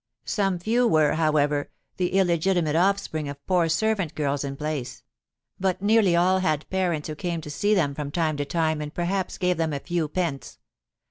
Some few were, however, the illegitimate offspring of poor servant girls in place; but nearly all had parents who came to see them from time to time and perhaps gave them a few pence.